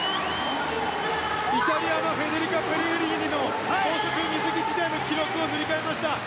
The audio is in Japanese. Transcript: イタリアのフェデリカ・ペレグリーニの高速水着時代の記録を塗り替えました！